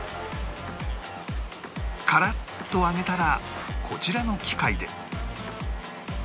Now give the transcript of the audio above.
カラッと揚げたらこちらの機械で